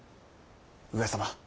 上様。